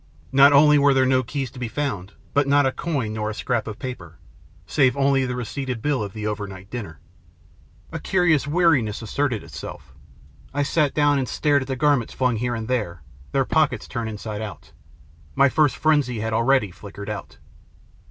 Not only were there no keys to be found, but not a coin, nor a scrap of paper save only the receipted bill of the overnight dinner. A curious weariness asserted itself. I sat down and stared at the garments flung here and there, their pockets turned inside out. My first frenzy had already flickered out.